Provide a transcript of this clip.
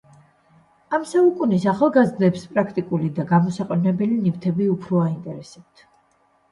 ამ საუკუნის ახალგაზრდებს პრაქტიკული და გამოსაყენებელი ნივთები უფრო აინტერესებთ.